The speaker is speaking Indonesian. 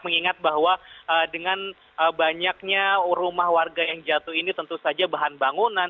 mengingat bahwa dengan banyaknya rumah warga yang jatuh ini tentu saja bahan bangunan